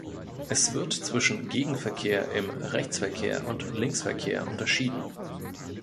Es wird zwischen Gegenverkehr im Rechtsverkehr und Linksverkehr unterschieden.